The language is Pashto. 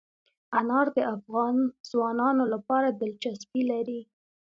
انار د افغان ځوانانو لپاره دلچسپي لري.